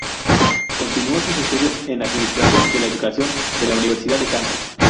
Continuó sus estudios en Administración de la Educación de la Universidad de Kansas.